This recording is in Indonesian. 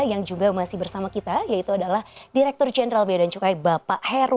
yang juga masih bersama kita yaitu adalah direktur jnb dan cukai bapak hande